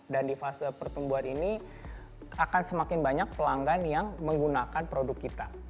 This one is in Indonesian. dan di fase pertumbuhan ini akan semakin banyak pelanggan yang menggunakan produk kita